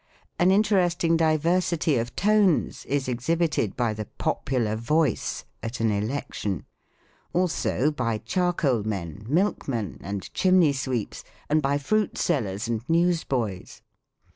An interesting diversity of U}nes is exhibited by the popular voice at an election. Also by charcoal men, milk men, and chimney, sweeps; and by fruit sellers, and news boys.